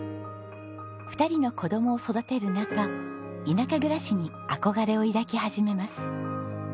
２人の子供を育てる中田舎暮らしに憧れを抱き始めます。